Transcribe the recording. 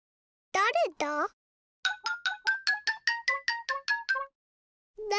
だれだ？